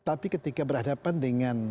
tapi ketika berhadapan dengan